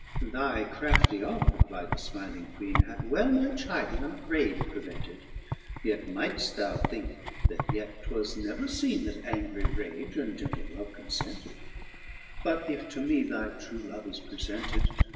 jHY crafty arte," reply'd the fmiling queene, "Hath well my chiding and not rage® pre vented. Yet might'ft thou thinke that yet 'twas never feene That angry rage and gentle love confented ; But if to me thy true love is prefented.